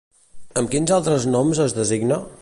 Amb quins altres noms es designa?